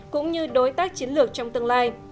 cũng như đối tác chiến lược trong tương lai